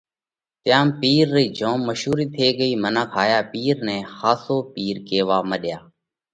تيام پِير رئِي جوم مشُورئِي ٿي ڳئِي۔ منک هايا پِير نئہ ۿاسو پِير ڪيوا مڏيا۔